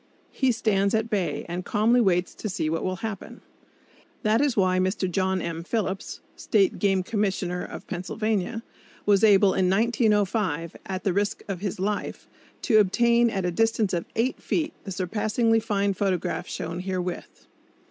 He stands at bay, and calmly waits to see what will happen. That is why Mr. John M. Phillips, State Game Commissioner of Pennsylvania, was able in 1905, at the risk of his life, to obtain at a distance of eight feet the surpassingly fine photograph shown herewith.